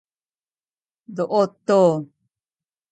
duut tu